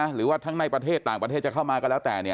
หรือว่าทั้งในประเทศต่างประเทศจะเข้ามาก็แล้วแต่